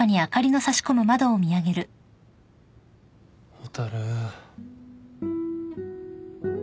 蛍。